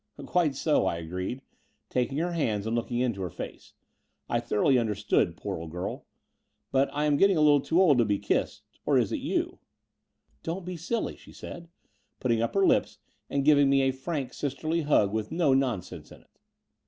"Quite so," I agreed, taking her hands and looking into her face, "I thoroughly understood, poor old girl. But am I getting too old to be kissed — or is it you?" "Don't be silly," she said, putting up her Ups and giving me a frank sisterly hug with no non sense in it.